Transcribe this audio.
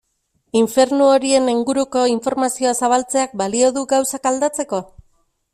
Infernu horien inguruko informazioa zabaltzeak balio du gauzak aldatzeko?